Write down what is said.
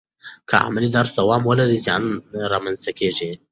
که عملي درس دوام ولري، زیان را منځ ته کیږي.